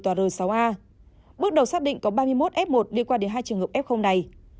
tòa r sáu a bước đầu xác định có ba mươi một f một liên quan đến hai trường hợp f này